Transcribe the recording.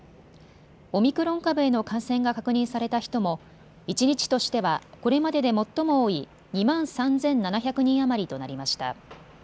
オミクロン株への感染が確認された人も一日としてはこれまでで最も多い２万３７００人余りとなりました。